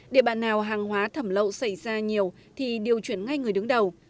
để bạn nào hàng hóa thẩm lậu xảy ra nhiều thì điều chuyển ngay người đứng đầu